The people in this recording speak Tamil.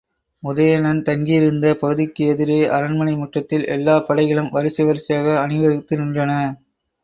உதயணன் தங்கியிருந்த பகுதிக்கு எதிரே அரண்மனை முற்றத்தில் எல்லாப் படைகளும் வரிசை வரிசையாக அணிவகுத்து நின்றன.